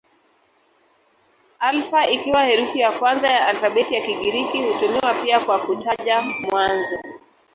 Alfa ikiwa herufi ya kwanza ya alfabeti ya Kigiriki hutumiwa pia kwa kutaja mwanzo.